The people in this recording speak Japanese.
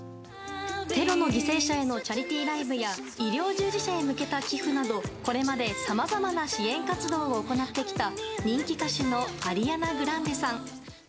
テロ犠牲者へのチャリティーライブや医療従事者へ向けた寄付などこれまでさまざまな支援活動を行ってきた人気歌手のアリアナ・グランデさん。